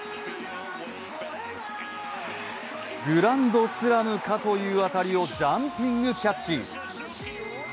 グランドスラムかという当たりをジャンピングキャッチ。